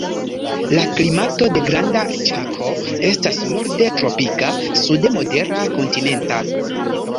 La klimato de Granda Ĉako estas norde tropika, sude modera kontinenta.